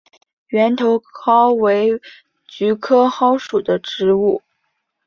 圆头蒿为菊科蒿属的植物。